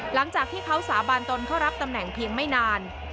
หลังจากที่เขาสาบานตนเข้ารับตำแหน่งเพียงไม่นาน